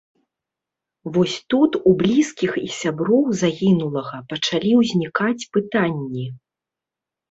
Вось тут у блізкіх і сяброў загінулага пачалі ўзнікаць пытанні.